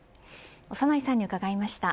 長内さんに伺いました。